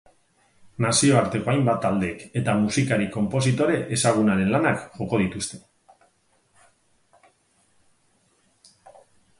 Nazioarteko hainbat taldek eta musikarik konpositore ezagunaren lanak joko dituzte.